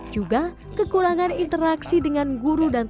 juga kekurangan interaksi dengan guru dan tenaga